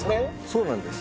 そうなんです。